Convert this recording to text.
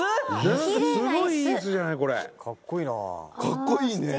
かっこいいね！